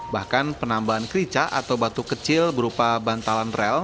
bahkan penambahan kerica atau batu kecil berupa bantalan rel